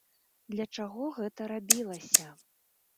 Для чаго гэта рабілася?